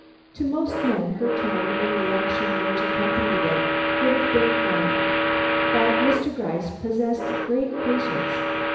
To most men her tone and the action which accompanied it would have been final. But Mr. Gryce possessed great patience.